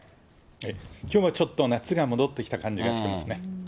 きょうはちょっと夏が戻ってきた感じがしてますね。